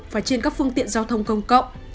và trên các phương tiện giao thông công cộng